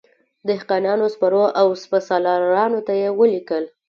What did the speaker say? دهقانانو، سپرو او سپه سالارانو ته یې ولیکل.